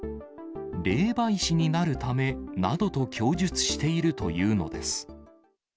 霊媒師になるためなどと供述しているというのです。